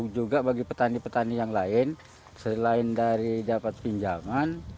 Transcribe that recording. juga bagi petani petani yang lain selain dari dapat pinjaman